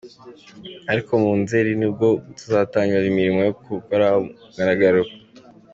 Ariko muri Nzeri ni bwo tuzatangiza imirimo yo kuwukora ku mugaragaro.